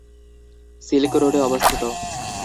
Silk রোডে অবস্থিত।